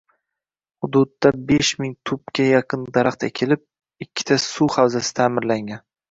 Hududdabeshming tupga yaqin daraxt ekilib, ikkita suv havzasi ta’mirlangan